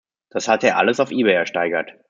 Das hatte er alles auf eBay ersteigert.